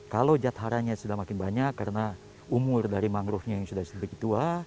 kalau jatahranya sudah makin banyak karena umur dari mangrovenya yang sudah begitu tua